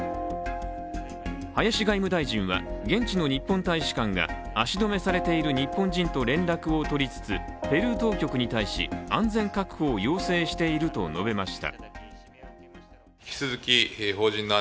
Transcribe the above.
林外務大臣は現地の日本大使館が足止めされている日本人と連絡を取りつつ、ペルー当局に対し安全確保を要請していると述べました。